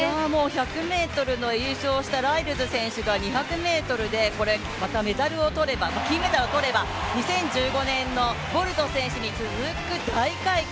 １００ｍ優勝したライルズ選手が２００ｍでこれ、また金メダルを取れば、２０１５年のボルト選手に続く大快挙